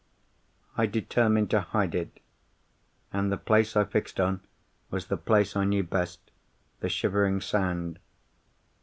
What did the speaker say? "I determined to hide it; and the place I fixed on was the place I knew best—the Shivering Sand.